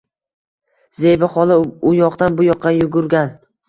Zebi xola u yoqdan-bu yoqqa yugurgan.